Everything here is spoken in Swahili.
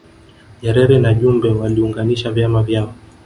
Nyerere na Jumbe waliunganisha vyama vyao